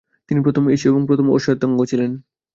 তিনি প্রথম এশীয় এবং প্রথম অ-শ্বেতাঙ্গ ছিলেন।